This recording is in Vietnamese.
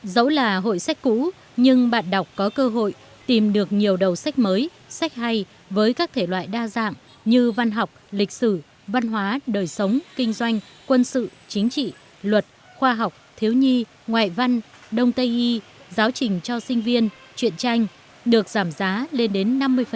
dẫu là hội sách cũ nhưng bạn đọc có cơ hội tìm được nhiều đầu sách mới sách hay với các thể loại đa dạng như văn học lịch sử văn hóa đời sống kinh doanh quân sự chính trị luật khoa học thiếu nhi ngoại văn đông tây y giáo trình cho sinh viên chuyện tranh được giảm giá lên đến năm mươi